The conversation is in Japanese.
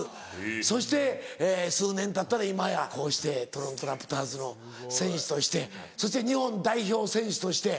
そして数年たったら今やこうしてトロント・ラプターズの選手としてそして日本代表選手として。